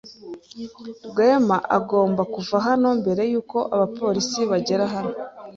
Rwema agomba kuva hano mbere yuko abapolisi bagera hano.